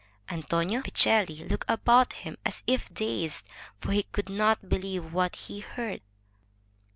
'* Antonio Vecelli looked about him as if dazed, for he could not believe what he heard.